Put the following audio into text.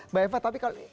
mbak eva tapi kalau